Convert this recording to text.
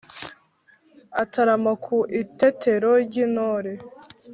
Atarama ku Itetero ry'intore